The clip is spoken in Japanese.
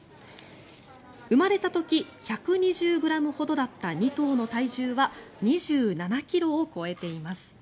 生まれた時１２０ｇほどだった２頭の体重は２７ｋｇを超えています。